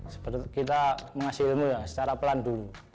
seperti kita mengasih ilmu ya secara pelan dulu